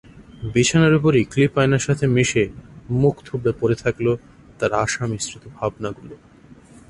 বিছানার উপরই ক্লিপ-আয়নার সাথে মিশে মুখ থুবড়ে পড়ে থাকলো তার আশামিশ্রিত ভাবনাগুলো।